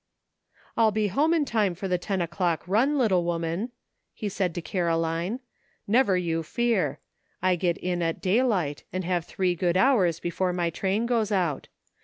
^'I'U be home in time for the ten o'clock ruUj 1.14 NIGHT WORK. little woman," he said to Caroline, " never you fear. I get in at daylight, and have three good hours before ray train goes out.